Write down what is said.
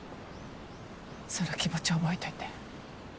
その気持ち覚えといて。